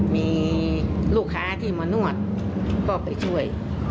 มีลูกค้าที่มานวดก็ไปช่วย